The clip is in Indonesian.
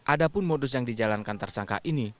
ada pun modus yang dijalankan tersangka ini